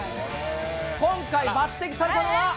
今回抜てきされたのは。